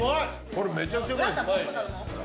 これめちゃくちゃうまいです。